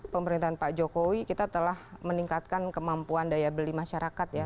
pemerintahan pak jokowi kita telah meningkatkan kemampuan daya beli masyarakat ya